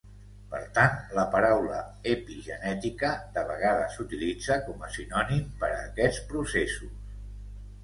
Per tant, la paraula "epigenètica" de vegades s'utilitza com a sinònim per a aquests processos.